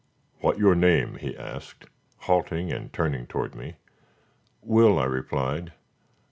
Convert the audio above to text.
"What your name?" he asked, halting and turning toward me. "Will," I replied.